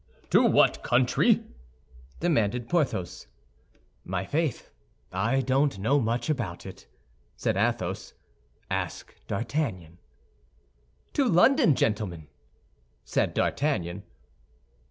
"To what country?" demanded Porthos. "My faith! I don't know much about it," said Athos. "Ask D'Artagnan." "To London, gentlemen," said D'Artagnan.